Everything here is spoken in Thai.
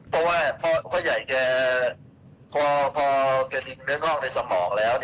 เพราะว่าพ่อใหญ่แกพอดินเนื้อคล่องในสมองแล้ว